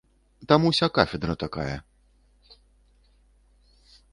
Там уся кафедра такая.